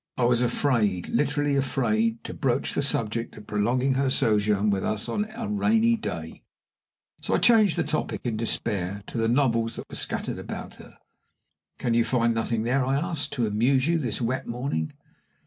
I was afraid literally afraid to broach the subject of prolonging her sojourn with us on a rainy day, so I changed the topic, in despair, to the novels that were scattered about her. "Can you find nothing there," I asked, "to amuse you this wet morning?"